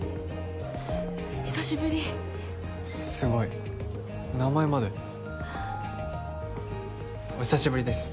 久しぶりすごい名前までお久しぶりです